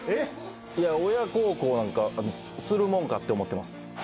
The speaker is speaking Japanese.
いや親孝行なんかするもんかって思ってます。